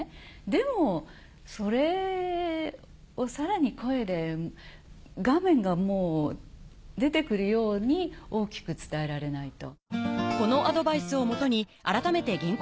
でもそれをさらに声で画面が出てくるように大きく伝えられないと。